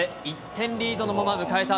１点リードのまま迎えた